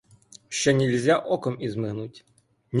Що нільзя оком ізмигнуть.